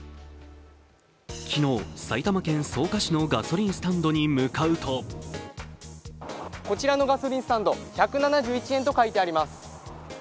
昨日、埼玉県草加市のガソリンスタンドへ向かうとこちらのガソリンスタンド、１７１円と書いてあります。